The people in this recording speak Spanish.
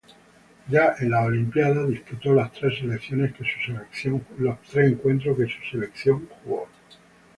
Ya en las Olimpíadas, disputó los tres encuentros que su selección jugó.